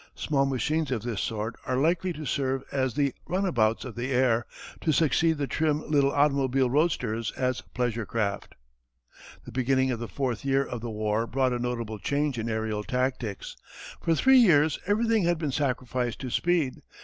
Small machines of this sort are likely to serve as the runabouts of the air, to succeed the trim little automobile roadsters as pleasure craft. [Illustration: © International Film Service. A French Monoplane.] The beginning of the fourth year of the war brought a notable change in aërial tactics. For three years everything had been sacrificed to speed.